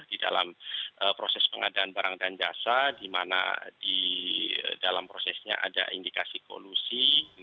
di dalam proses pengadaan barang dan jasa di mana di dalam prosesnya ada indikasi kolusi